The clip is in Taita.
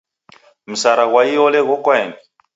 Msara ghwa iole ghoko aeni.